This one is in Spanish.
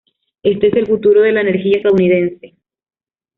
Este es el futuro de la energía estadounidense".